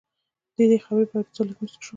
د دې خبرې په اورېدو زه لږ موسک شوم